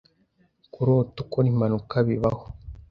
Kurota ukora impanuka bibaho.